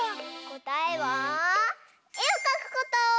こたえはえをかくこと！